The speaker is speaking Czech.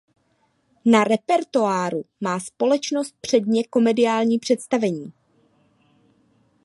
Na repertoáru má společnost předně komediální představení.